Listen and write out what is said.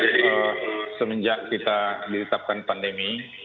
ya jadi semenjak kita ditetapkan pandemi